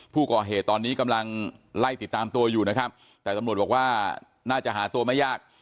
ผู้ก่อเหตุตอนนี้กำลังไล่ติดตามตัวอยู่นะครับแต่ตำรวจบอกว่าน่าจะหาตัวไม่ยาก